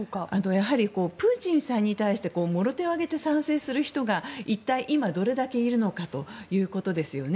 やはりプーチンさんに対してもろ手を挙げて賛成する人が一体、今どれだけいるのかということですよね。